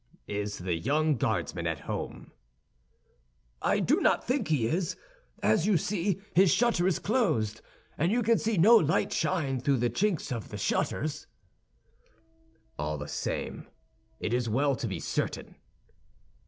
"Is the young Guardsman at home?" "I do not think he is; as you see, his shutter is closed, and you can see no light shine through the chinks of the shutters." "All the same, it is well to be certain."